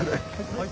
はい。